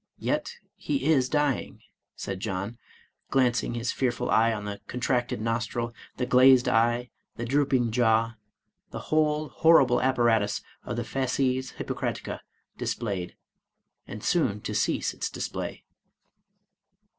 Yet he is dying,'' said John, glancing his fearful eye on the contracted nostril, the glazed eye, the drooping jaw, the whole horrible apparatus of the fades Hippocratica displayed, and soon to cease its display.